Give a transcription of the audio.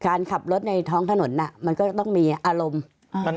การขับรถในท้องถนนอ่ะมันก็ต้องมีอารมณ์อ่า